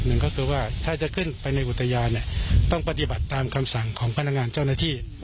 หนึ่งก็คือว่าถ้าจะขึ้นไปในอุทยานเนี่ยต้องปฏิบัติตามคำสั่งของพนักงานเจ้าหน้าที่